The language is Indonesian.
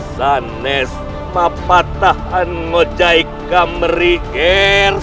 sa'nest ma'patahan mojaika meri'ger